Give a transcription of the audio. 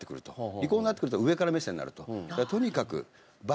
利口になってくると上から目線になると。